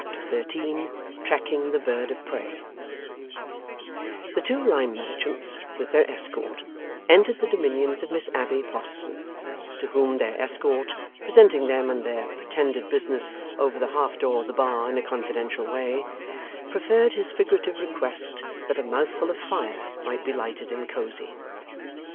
Chapter 13 TRACKING THE BIRD OF PREY The two lime merchants, with their escort, entered the dominions of Miss Abbey Potterson, to whom their escort (presenting them and their pretended business over the half door of the bar, in a confidential way) preferred his figurative request that 'a mouthful of fire' might be lighted in Cosy.